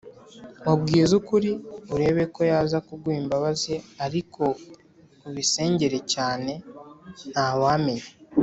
Mubwize ukuri urebeko yaza kuguha imbabazi ariko ubisengere cyane ntawa menya